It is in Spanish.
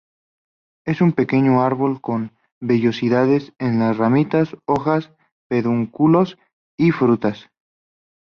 Es un pequeño árbol con vellosidades en las ramitas, hojas, pedúnculos y frutas.